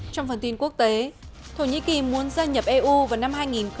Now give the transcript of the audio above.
trong phần tin quốc tế thổ nhĩ kỳ muốn gia nhập eu vào năm hai nghìn hai mươi